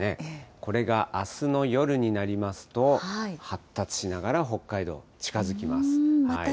これがあすの夜になりますと、発達しながら、北海道、近づきます。